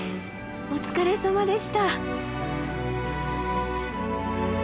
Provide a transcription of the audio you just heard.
お疲れさまでした。